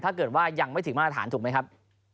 ถ้าเกิดว่ายังไม่ถึงมาตรฐานถูกไหมครับ